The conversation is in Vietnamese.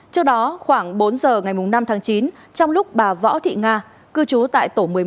trước đó khoảng bốn giờ ngày năm tháng chín trong lúc bà võ thị nga cư trú tại tổ một mươi một